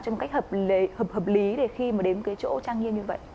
trong cách hợp lý để khi mà đến chỗ trang nghiêm như vậy